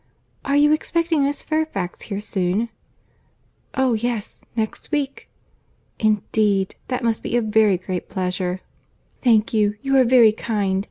"Are you expecting Miss Fairfax here soon?" "Oh yes; next week." "Indeed!—that must be a very great pleasure." "Thank you. You are very kind.